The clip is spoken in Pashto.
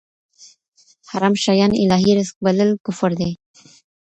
حرام شيان الهي رزق بلل کفر دی.